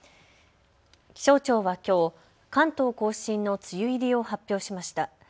気象庁はきょう、関東甲信の梅雨入りを発表しました。